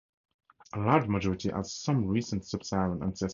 A large majority has some recent Subsaharan ancestor.